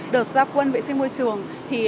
đợt gia quân vệ sinh môi trường thì